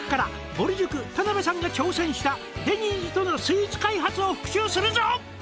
「ぼる塾田辺さんが挑戦した」「デニーズとのスイーツ開発を復習するぞ」